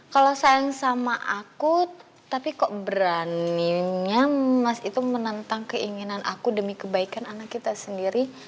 kalau sayang sama aku tapi kok beraninya mas itu menentang keinginan aku demi kebaikan anak kita sendiri